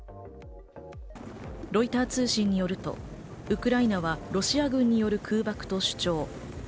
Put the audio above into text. ロイター通信によると、ウクライナはロシア軍による空爆と主張。